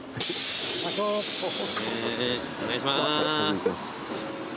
お願いします。